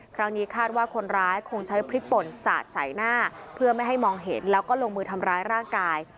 คาดว่าคนร้ายคงใช้พริกป่นสาดใส่หน้าเพื่อไม่ให้มองเห็นแล้วก็ลงมือทำร้ายร่างกาย